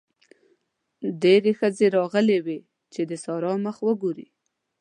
ډېرې ښځې راغلې وې چې د سارا مخ وګوري.